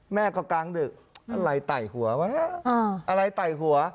แม่ก็กลางดึกอะไรไต่หัวไว้อะไรไต่หัว